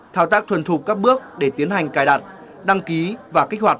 thao tác thuần thục các bước để tiến hành cài đặt đăng ký và kích hoạt